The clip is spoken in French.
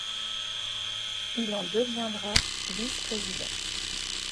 Il en deviendra vice-président.